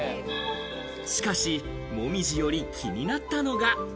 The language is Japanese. しかし、紅葉より気になったのが。